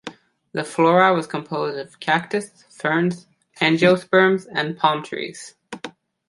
The flora was composed of cactus, ferns, angiosperms, and palm trees.